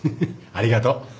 ありがとう。